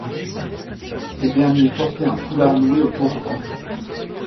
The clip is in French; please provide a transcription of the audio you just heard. Ces derniers portaient un foulard noué autour du cou.